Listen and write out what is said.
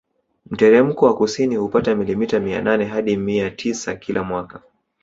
Mteremko wa kusini hupata milimita mia nane hadi mia tisa kila mwaka